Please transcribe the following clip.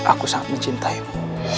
aku sangat mencintaimu